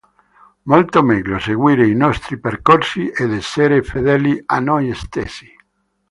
Molto meglio seguire i nostri percorsi ed essere fedeli a noi stessi.